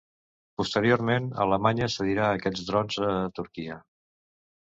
Posteriorment Alemanya cediria aquests drons a Turquia.